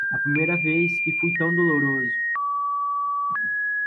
A primeira vez que fui tão doloroso